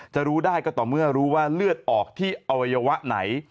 จะรู้ได้ก็ต่อเมื่อรู้ว่าเลือดออกที่อวัยวะไหน